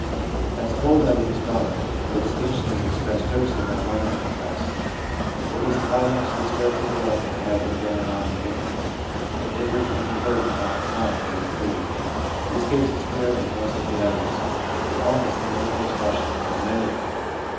As told by the respondents, the distinction is ex pressed tersely by one of them thus: 'It was the climax of the spiritual development that had been going on within me. It differed from conversion not in kind, but in degree/ This gives the spirit of most of the others, and almost the manner of expression of many of them.